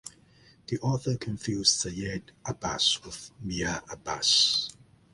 The author confused "Seyyed Abbas" with "Mir Abbas".